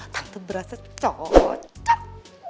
tante berasa cocok